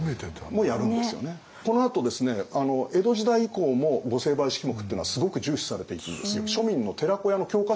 このあとですね江戸時代以降も御成敗式目ってのはすごく重視されていくんですよ。